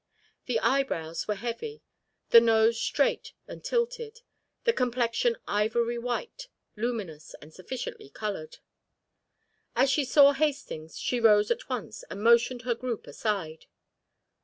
The eyebrows were heavy, the nose straight and tilted, the complexion ivory white, luminous, and sufficiently coloured. As she saw Hastings, she rose at once and motioned her group aside.